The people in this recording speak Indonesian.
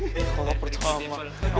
iya kalau pertama